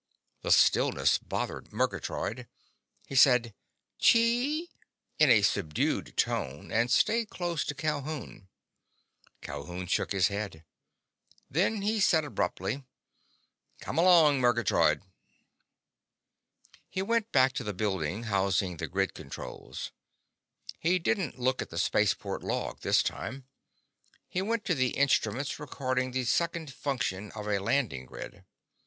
The stillness bothered Murgatroyd. He said, "Chee!" in a subdued tone and stayed close to Calhoun. Calhoun shook his head. Then he said abruptly: "Come along, Murgatroyd!" He went back to the building housing the grid controls. He didn't look at the spaceport log this time. He went to the instruments recording the second function of a landing grid.